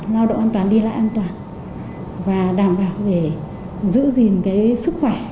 lao động an toàn đi lại an toàn và đảm bảo để giữ gìn cái sức khỏe